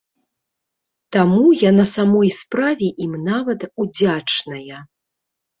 Таму я на самой справе ім нават удзячная.